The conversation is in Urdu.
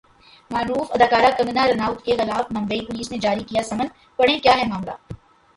معروف اداکارہ کنگنا رناوت کے خلاف ممبئی پولیس نے جاری کیا سمن ، پڑھیں کیا ہے معاملہ